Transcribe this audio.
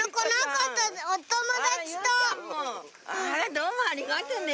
どうもありがとね。